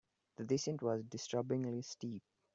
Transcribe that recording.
The descent was disturbingly steep.